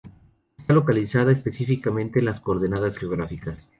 Está localizada específicamente en las coordenadas geográficas